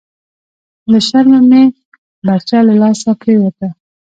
لهٔ شرمه مې برچه لهٔ لاسه پریوته… »